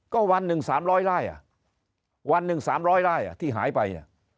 ก็วัน๑สามร้อยไล่วัน๑สามร้อยไล่ที่หายไป